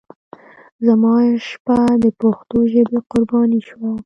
زما شپه د پښتو ژبې قرباني شوه.